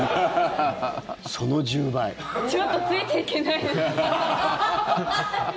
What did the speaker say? ちょっとついていけないです。